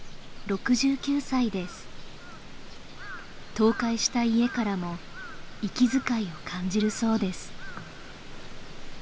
倒壊した家からも息遣いを感じるそうです